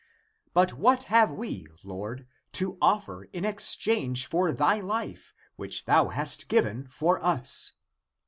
But what have we. Lord, to offer in exchange for thy life which thou hast given for us?